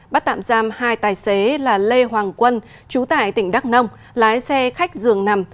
bắt tạm giam hai tài xế là lê hoàng quân chú tại tỉnh đắk nông lái xe khách dường nằm